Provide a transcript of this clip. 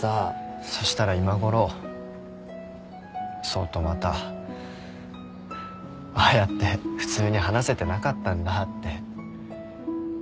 そしたら今ごろ想とまたああやって普通に話せてなかったんだって。